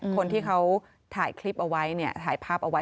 คนที่เขาถ่ายคลิปเอาไว้เนี่ยถ่ายภาพเอาไว้